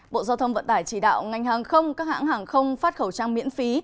bộ giao thông vận tải chỉ đạo ngành hàng không các hãng hàng không phát khẩu trang miễn phí